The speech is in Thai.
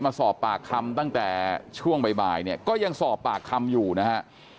มาสอบปากคำตั้งแต่ช่วงบ่ายเนี่ยก็ยังสอบปากคำอยู่นะฮะ